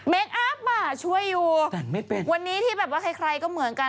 เมคอัพอ่ะช่วยอยู่วันนี้ที่แบบว่าใครก็เหมือนกัน